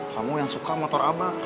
kamu yang suka motor apa